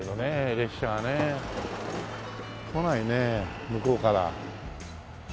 列車がね。来ないね向こうから。